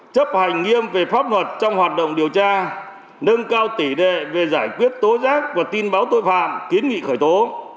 chấp hành nghiêm về pháp luật trong hoạt động điều tra nâng cao tỷ đệ về giải quyết tố giác và tin báo tội phạm kiến nghị khởi tố